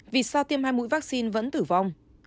vì sao tiêm hai mũi vaccine vẫn tử vong